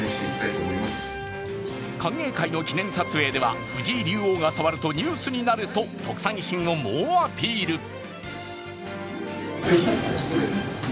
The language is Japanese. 歓迎会の記念撮影では藤井竜王が触るとニュースになると特産品を猛アピール。